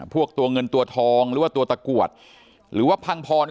พวกตัวเงินตัวทองตัวตะกร